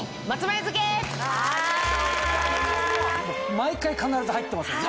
毎回必ず入ってますよね。